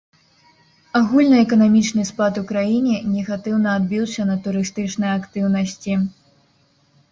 Агульны эканамічны спад у краіне негатыўна адбіўся на турыстычнай актыўнасці.